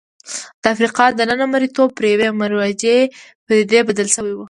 د افریقا دننه مریتوب پر یوې مروجې پدیدې بدل شوی و.